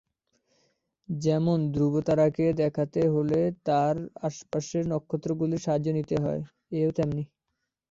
যেমন ধ্রুবতারাকে দেখাতে হলে তার আশপাশের নক্ষত্রগুলির সাহায্য নিতে হয়, এও তেমনি।